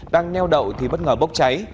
đang neo đậu thì bất ngờ bốc cháy